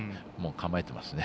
構えてますね。